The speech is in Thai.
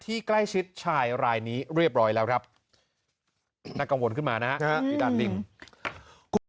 ใกล้ชิดชายรายนี้เรียบร้อยแล้วครับน่ากังวลขึ้นมานะครับ